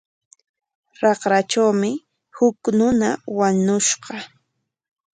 Raqratrawmi huk runa wañushqa.